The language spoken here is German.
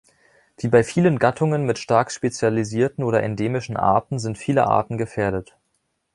Wie bei vielen Gattungen mit stark spezialisierten oder endemischen Arten sind viele Arten gefährdet.